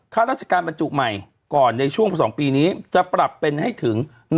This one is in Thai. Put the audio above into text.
ข้าราชการบรรจุใหม่ก่อนในช่วง๒ปีนี้จะปรับเป็นให้ถึง